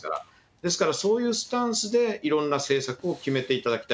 ですから、そういうスタンスで、いろんな政策を決めていただきた